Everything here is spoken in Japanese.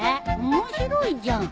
面白いじゃん。